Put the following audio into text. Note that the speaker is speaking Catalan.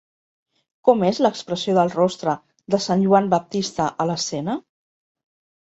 Com és l'expressió del rostre de Sant Joan Baptista a l'escena?